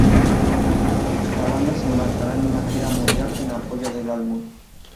La banda se embarcará en una gira mundial en apoyo del álbum.